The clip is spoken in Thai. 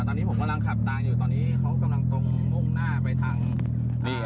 ตอนนี้ผมกำลังขับตามอยู่ตอนนี้เขากำลังตรงมุ่งหน้าไปทางเรือ